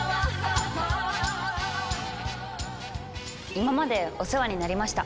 今までお世話になりました。